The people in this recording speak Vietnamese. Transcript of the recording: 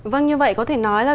vâng như vậy có thể nói là